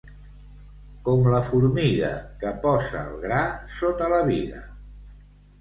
Com la formiga, que posa el gra sota la biga.